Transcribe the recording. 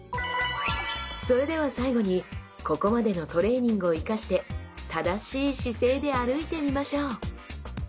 それでは最後にここまでのトレーニングを生かして正しい姿勢で歩いてみましょう！